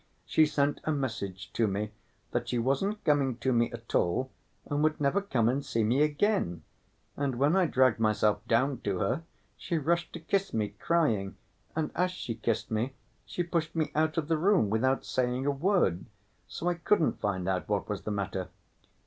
She sent a message to me that she wasn't coming to me at all, and would never come and see me again, and when I dragged myself down to her, she rushed to kiss me, crying, and as she kissed me, she pushed me out of the room without saying a word, so I couldn't find out what was the matter.